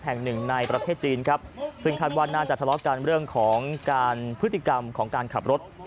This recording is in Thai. แห่งหนึ่งในประเทศจีนครับซึ่งคาดว่าน่าจะทะเลาะกันเรื่องของการพฤติกรรมของการขับรถ